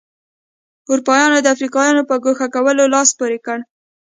اروپایانو د افریقایانو په ګوښه کولو لاس پورې کړ.